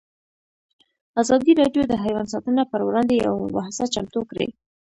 ازادي راډیو د حیوان ساتنه پر وړاندې یوه مباحثه چمتو کړې.